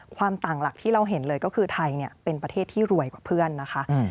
ความต่างหลักที่เราเห็นเลยก็คือไทยเป็นประเทศที่รวยกว่าเพื่อนนะคะ